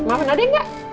maafin adik enggak